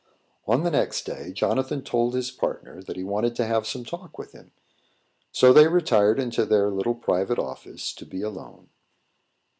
On the next day, Jonathan told his partner that he wanted to have some talk with him; so they retired into their little private office, to be alone.